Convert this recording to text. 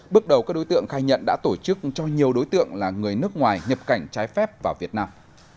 bước đầu các đối tượng khai nhận đã tổ chức cho nhiều đối tượng là người nước ngoài nhập cảnh trái phép vào việt nam